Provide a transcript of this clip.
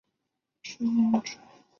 对拳支援者